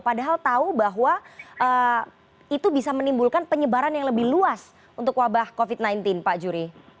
padahal tahu bahwa itu bisa menimbulkan penyebaran yang lebih luas untuk wabah covid sembilan belas pak juri